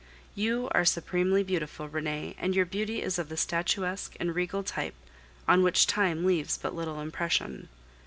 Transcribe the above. You are supremely beautiful, Renee, and your beauty is of the statuesque and regal type, on which time leaves but little impression.